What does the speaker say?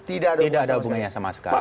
tidak ada hubungannya sama sekali